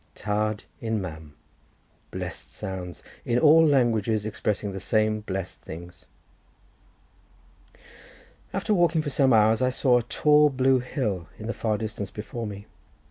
Tad im mam; blessed sounds; in all languages expressing the same blessed things. After walking for some hours I saw a tall blue hill in the far distance before me.